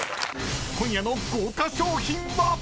［今夜の豪華賞品は⁉］